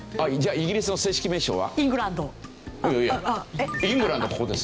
イギリスの正式名称は？